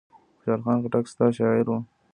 خوشحال خان خټک ستر شاعر و.